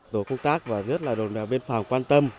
tổ quốc tác và rất là đồng biên phòng quan tâm